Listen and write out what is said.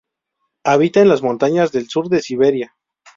Habita en las montañas del sur de Siberia.